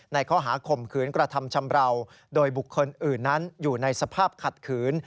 ข้อหาข่มขืนกระทำชำราวโดยบุคคลอื่นนั้นอยู่ในสภาพขัดขืน